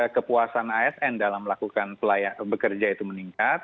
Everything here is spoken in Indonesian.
kepuasan asn dalam melakukan bekerja itu meningkat